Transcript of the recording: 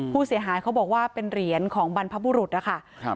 ผู้เสียหายเขาบอกว่าเป็นเหรียญของบรรพบุรุษนะคะ